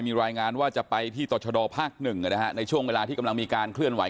มีรายงานว่าจะไปที่ต่อชะดอภาค๑ในช่วงเวลาที่กำลังมีการเคลื่อนไห